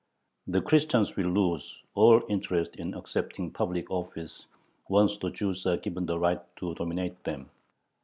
The Christians will lose all interest in accepting public office once the Jews are given the right to dominate them.